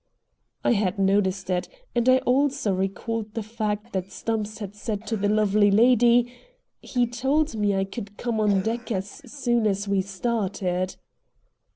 I had noticed it; and I also recalled the fact that Stumps had said to the lovely lady: "He told me I could come on deck as soon as we started."